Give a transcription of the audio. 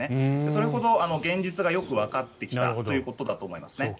それほど現実がよくわかってきたということだと思いますね。